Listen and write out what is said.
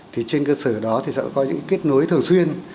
thì trên cơ sở đó thì sẽ có những kết nối thường xuyên